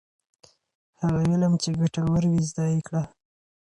هغه علم چي ګټور وي زده یې کړه.